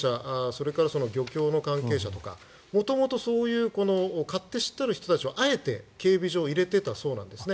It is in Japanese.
それから漁協の関係者とか元々、そういう勝手知ったる人たちをあえて警備上入れていたそうなんですね。